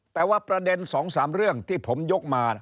แต่ว่าประเด็น๒๓เรื่องที่ผมยกมา